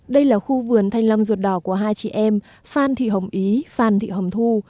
đây là khu vườn thanh long ruột đỏ của hai chị em phan thị hồng ý phan thị hồng thu